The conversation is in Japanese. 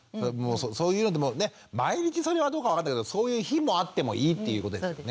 そういうのでもね毎日それはどうか分かんないけどそういう日もあってもいいっていうことですよね。